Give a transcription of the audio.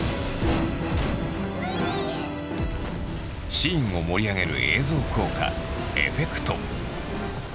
シーンを盛り上げる映像効果エフェクト。